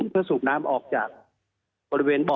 เพื่อสูบน้ำออกจากบริเวณบ่อ